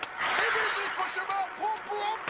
ポップＵＰ！